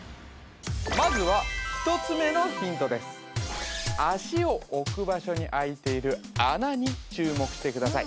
まずは１つ目のヒントです足を置く場所に開いている穴に注目してください